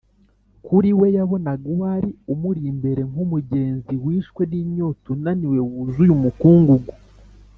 ” Kuri we, yabonaga uwari umuri imbere nk’umugenzi wishwe n’inyota, unaniwe, wuzuye umukungugu